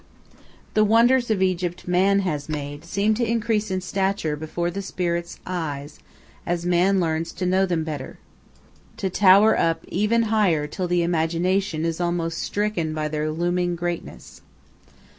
The wonders of Egypt man has made seem to increase in stature before the spirits' eyes as man learns to know them better, to tower up ever higher till the imagination is almost stricken by their looming greatness.